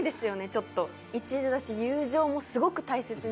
ちょっと一途だし友情もすごく大切にするんですよ